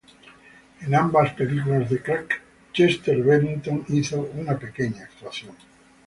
En ambas películas de "Crank", Chester Bennington hizo una pequeña actuación.